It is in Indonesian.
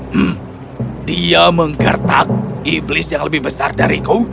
hmm dia menggertak iblis yang lebih besar dariku